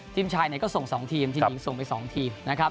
ทีมชายเนี่ยก็ส่งสองทีมทีมหญิงส่งไปสองทีมนะครับ